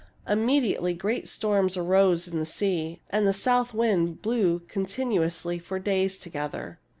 Immediately great storms arose on the sea. The south wind blew continuously for days together.